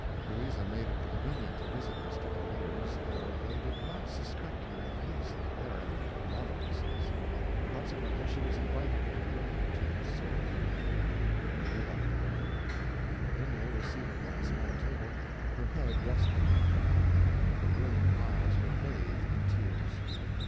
Louisa made it convenient to visit Mr. Valeer's, though they did not suspect her in the least the bearer of love epistles; consequently, she was invited in the room to console Ambulinia, where they were left alone. Ambulinia was seated by a small table her head resting on her hand her brilliant eyes were bathed in tears.